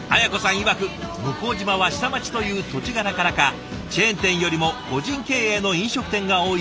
いわく向島は下町という土地柄からかチェーン店よりも個人経営の飲食店が多いそうで。